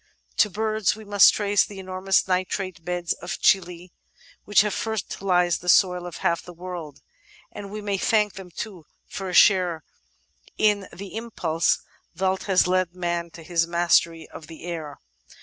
To birds we must trace the enormous nitrate beds of Chili which have fertilised the soil of half the world, and we may thank them too for a share in the impulse thalt has led man to his mastery of the air.